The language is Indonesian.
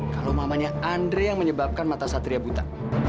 kalau mamanya andre yang menyebabkan mata satria buta